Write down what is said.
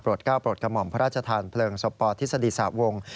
ปลดก้าวปลดกระหม่อมพระราชธรรม